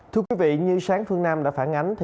thưa quý vị như sáng phương nam đã phản ánh